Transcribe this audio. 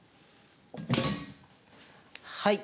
はい。